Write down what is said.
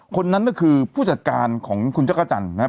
คนนั้นก็คือผู้จัดการของคุณเจ้าข้าจันนะครับ